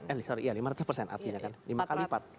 eh sorry ya lima ratus persen artinya kan lima kali lipat